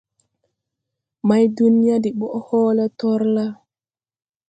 Maydunya de ɓɔʼ hɔɔlɛ tɔrlà.